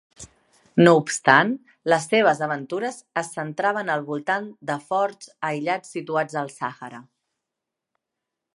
No obstant, les seves aventures es centraven al voltant de forts aïllats situats al Sàhara.